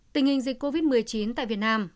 tình hình dịch covid một mươi chín tại việt nam